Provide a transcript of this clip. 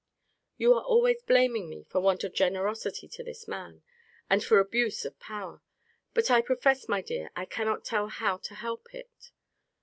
You are always blaming me for want of generosity to this man, and for abuse of power. But I profess, my dear, I cannot tell how to help it.